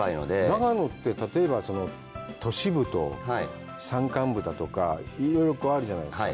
長野って例えば都市部と山間部だとか、いろいろあるじゃないですか。